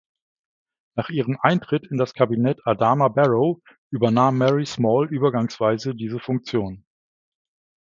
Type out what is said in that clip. Nach ihrem Eintritt in das Kabinett Adama Barrow übernahm Mary Small übergangsweise diese Funktion.